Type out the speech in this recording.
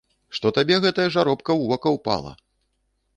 Што табе гэтая жаробка ў вока ўпала!